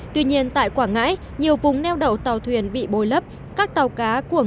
tuy nhiên tại quảng ngãi nhiều vùng neo đầu tàu thuyền bị bôi lấp